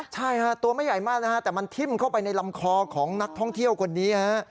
ใช่ฮะตัวไม่ใหญ่มากนะฮะแต่มันทิ้มเข้าไปในลำคอของนักท่องเที่ยวคนนี้ฮะ